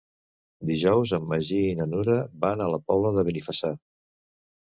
Dijous en Magí i na Nura van a la Pobla de Benifassà.